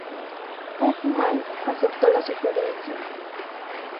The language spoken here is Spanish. Upmann aceptó la sugerencia.